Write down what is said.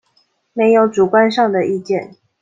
沒有主觀上的意見